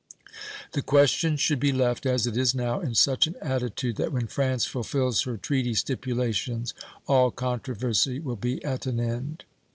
The question should be left, as it is now, in such an attitude that when France fulfills her treaty stipulations all controversy will be at an end.